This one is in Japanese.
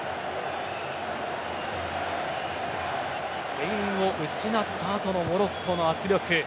点を失ったあとのモロッコの圧力。